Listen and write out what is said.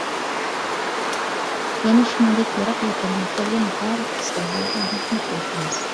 يەنە شۇنىڭدەك، يىراق-يېقىندىن كەلگەن بارلىق ئۇستازلارغا رەھمەت ئېيتىمىز.